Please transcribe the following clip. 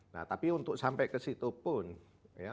nah tapi untuk sampai ke situ pun ya